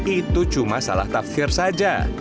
itu cuma salah tafsir saja